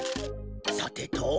さてと。